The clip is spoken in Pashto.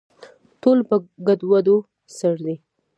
ټول په ګډووډو سر دي